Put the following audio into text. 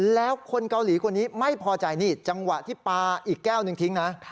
แล้วคนเกาหลีคนนี้ไม่พอใจนี่จังหวะที่ปลาอีกแก้วหนึ่งทิ้งนะ